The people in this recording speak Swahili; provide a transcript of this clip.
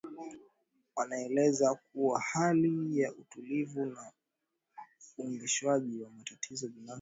wanaeleza kuwa hali ya utulivu na ugenishwaji wa matatizo binafsi si matunda